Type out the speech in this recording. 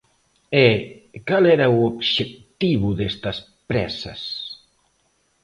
E ¿cal era o obxectivo destas présas?